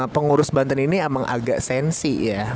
pengurus banten ini emang agak sensi ya